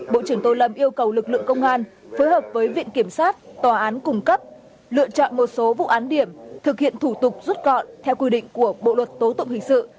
bộ trưởng tô lâm yêu cầu lực lượng công an phối hợp với viện kiểm sát tòa án cung cấp lựa chọn một số vụ án điểm thực hiện thủ tục rút gọn theo quy định của bộ luật tố tụng hình sự